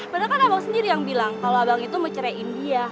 padahal kan abang sendiri yang bilang kalau abang itu mau ceraiin dia